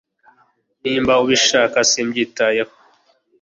Niba ubishaka simbyitayeho